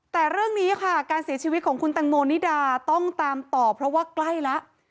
แต่เรื่องนี้ค่ะการเสียชีวิตของคุณตังโมนิดาต้องตามต่อเพราะว่าใกล้แล้ว